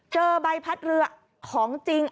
เจอใบพัดเรือของจริง